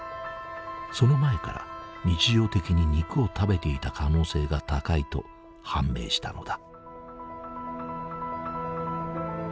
その前から日常的に肉を食べていた可能性が高いと判明したのだ。